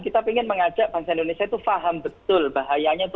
kita ingin mengajak bangsa indonesia itu paham betul bahayanya itu